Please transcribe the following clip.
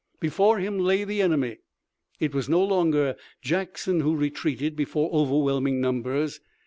Before him lay the enemy. It was no longer Jackson who retreated before overwhelming numbers.